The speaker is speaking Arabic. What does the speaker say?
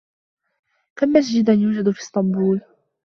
كم مسجدا يوجد في إسطنبول؟